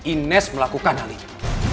ines melakukan hal ini